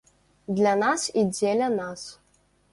Для нас і дзеля нас.